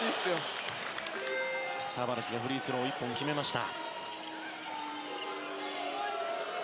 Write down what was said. タバレスがフリースロー、１本決めました。